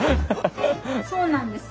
そうなんです。